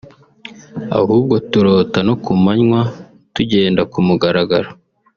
ahubwo turota no ku manywa tugenda ku mugaragaro